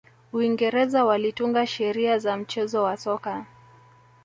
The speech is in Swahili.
uingereza walitunga sheria za mchezo wa soka